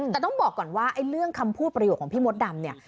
แต่ต้องบอกก่อนว่าไอ้เรื่องคำพูดประโยชนของพี่มดดำเนี่ย